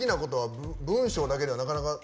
文章だけではなかなか。